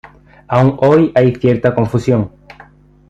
Aún hoy hay cierta confusión.